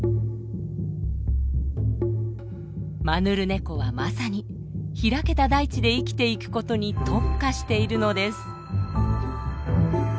マヌルネコはまさに開けた大地で生きていくことに特化しているのです。